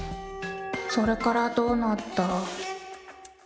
それからどうなった？